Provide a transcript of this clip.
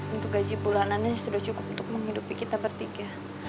untuk gaji bulanannya sudah cukup untuk menghidupi kita bertiga